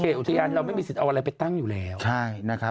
อุทยานเราไม่มีสิทธิ์เอาอะไรไปตั้งอยู่แล้วใช่นะครับ